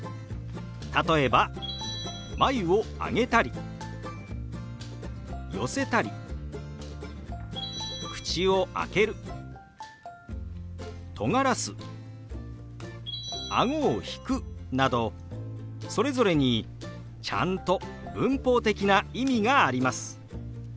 例えば眉を上げたり寄せたり口を開けるとがらすあごを引くなどそれぞれにちゃんと文法的な意味があります。